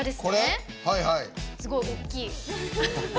すごい大きい。